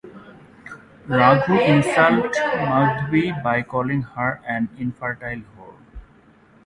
Raghu insults Madhavi by calling her an infertile whore.